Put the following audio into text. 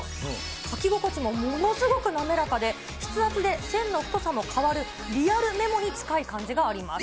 書き心地もものすごく滑らかで、筆圧で線の太さも変わる、リアルメモに近い感じがあります。